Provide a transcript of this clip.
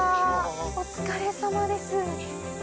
お疲れさまです。